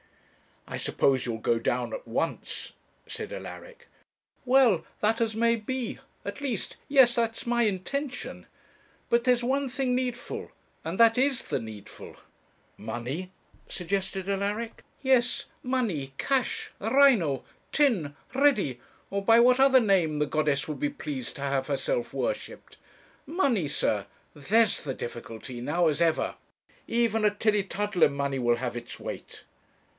'I suppose you'll go down at once?' said Alaric. 'Well, that as may be at least, yes; that's my intention. But there's one thing needful and that is the needful.' 'Money?' suggested Alaric. 'Yes, money cash rhino tin ready or by what other name the goddess would be pleased to have herself worshipped; money, sir; there's the difficulty, now as ever. Even at Tillietudlem money will have its weight.'